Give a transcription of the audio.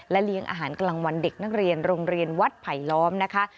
เลี้ยงอาหารกลางวันเด็กนักเรียนโรงเรียนวัดไผลล้อมนะคะ